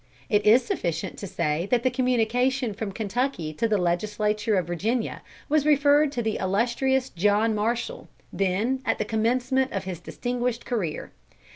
It is sufficient to say that the communication from Kentucky to the Legislature of Virginia was referred to the illustrious John Marshall, then at the commencement of his distinguished career.